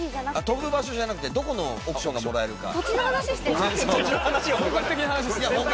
飛ぶ場所じゃなくてどこの億ションがもらえるか。